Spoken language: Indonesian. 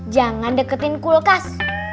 jangan deketin kulkas